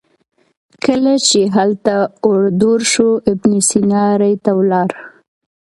کله چې هلته اړو دوړ شو ابن سینا ري ته ولاړ.